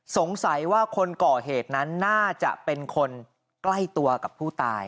สงสัยว่าคนก่อเหตุนั้นน่าจะเป็นคนใกล้ตัวกับผู้ตาย